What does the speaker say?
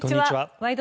「ワイド！